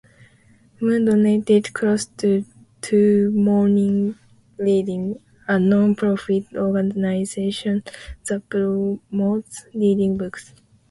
Moon donated close to to Morning Reading, a non-profit organization that promotes reading books.